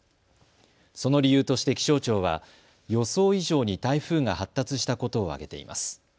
その理由として気象庁は予想以上に台風が発達したことを挙げています。